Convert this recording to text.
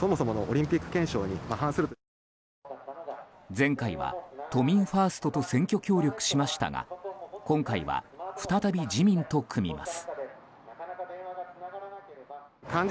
前回は都民ファーストと選挙協力しましたが今回は再び自民と組みます。